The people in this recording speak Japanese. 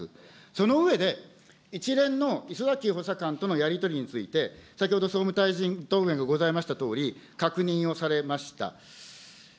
その上で、一連の礒崎補佐官とのやり取りについて、先ほど総務大臣答弁がございましたとおり、確認をされました。